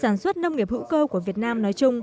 nông nghiệp hữu cơ việt nam